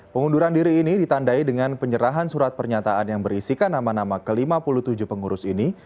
pengunduran diri ini ditandai dengan penyerahan surat pernyataan yang berisikan nama nama ke lima puluh tujuh pengurus ini